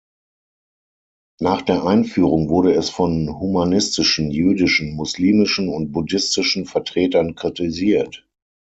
Nach der Einführung wurde es von humanistischen, jüdischen, muslimischen und buddhistischen Vertretern kritisiert.